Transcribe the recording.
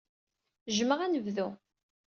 Jjmeɣ anebdu!